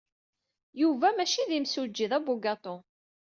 Yuba maci d imsujji. D abugaṭu.